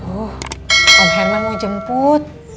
oh om herman mau jemput